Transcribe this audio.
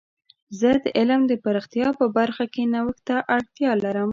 زه د علم د پراختیا په برخه کې نوښت ته اړتیا لرم.